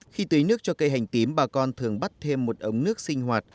khi tưới nước cho cây hành tím bà con thường bắt thêm một ống nước sinh hoạt